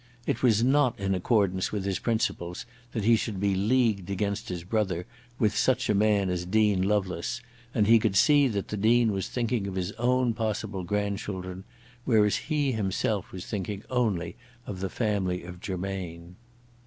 It was not in accordance with his principles that he should be leagued against his brother with such a man as Dean Lovelace, and he could see that the Dean was thinking of his own possible grandchildren, whereas he himself was thinking only of the family of Germain.